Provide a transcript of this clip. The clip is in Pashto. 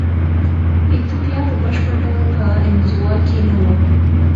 ایتوپیا په بشپړ ډول په انزوا کې نه وه.